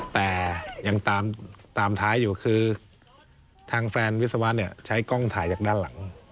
แต่ยังตามท้ายอยู่คือทางแฟนวิศวะเนี่ยใช้กล้องถ่ายจากด้านหลัง